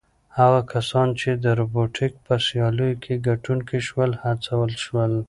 هغه کسان چې د روبوټیک په سیالیو کې ګټونکي شول هڅول شول.